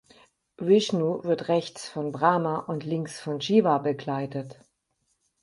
Vishnu wird rechts von Brahma und links von Shiva begleitet.